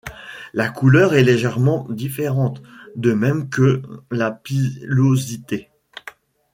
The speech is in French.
La couleur est légèrement différente, de même que la pilosité.